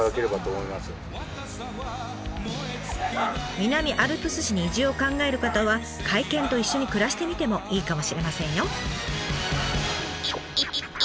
南アルプス市に移住を考える方は甲斐犬と一緒に暮らしてみてもいいかもしれませんよ。